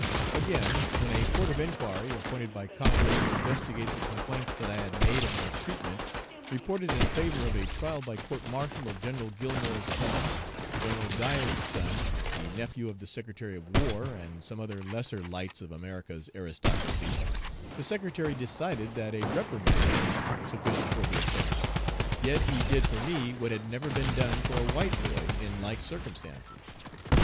"Again, when a Court of Inquiry, appointed by Congress to investigate complaints that I had made of my treatment, reported in favor of a trial by court martial of General Gillmore's son, General Dyer's son, the nephew of the Secretary of War, and some other lesser lights of America's aristocracy, the secretary decided that a reprimand was sufficient for the offence; yet 'he did for me what had never been done for a white boy in like circumstances.'